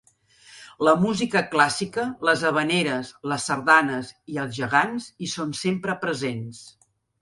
La música clàssica, les havaneres, les sardanes i els gegants hi són sempre presents.